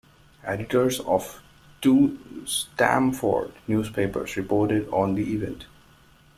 Editors of two Stamford newspapers reported on the event.